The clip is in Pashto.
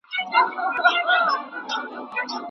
نه ظالم به له مظلوم څخه بېلېږي